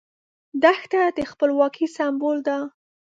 دښته د خپلواکۍ سمبول ده.